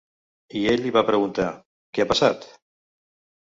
I ell li va preguntar: ‘Què ha passat?’